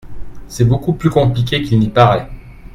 C’est beaucoup plus compliqué qu’il n’y paraît.